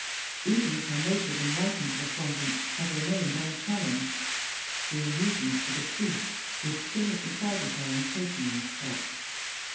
Even if her motive in writing to the convent had remained unchallenged, the allusions to the priest would still have decided her on taking this step.